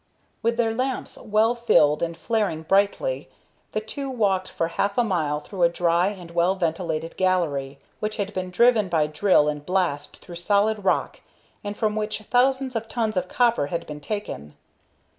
With their lamps well filled and flaring brightly, the two walked for half a mile through a dry and well ventilated gallery, which had been driven by drill and blast through solid rock, and from which thousands of tons of copper had been taken.